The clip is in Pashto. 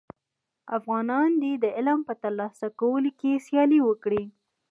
افغانان دي د علم په تر لاسه کولو کي سیالي وکړي.